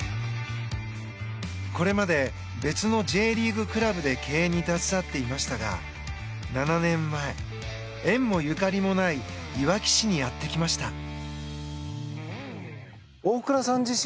これまで別のＪリーグクラブで経営に携わっていましたが７年前、縁もゆかりもないいわき市にやってきました。